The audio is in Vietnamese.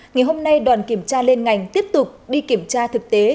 ngày hôm nay đoàn kiểm tra liên ngành tiếp tục đi kiểm tra thực tế